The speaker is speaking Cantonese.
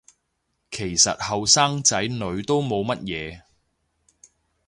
其實後生仔女都冇乜嘢